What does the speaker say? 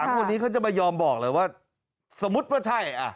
คนนี้เขาจะไม่ยอมบอกเลยว่าสมมุติว่าใช่อ่ะ